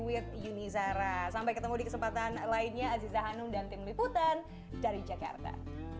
with yunizara sampai ketemu di kesempatan lainnya aziza hanum dan tim liputan dari jakarta